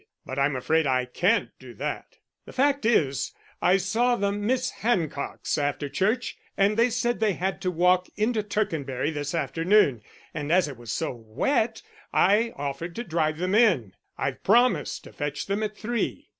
"But I'm afraid I can't do that. The fact is, I saw the Miss Hancocks after church, and they said they had to walk into Tercanbury this afternoon, and as it was so wet I offered to drive them in. I've promised to fetch them at three."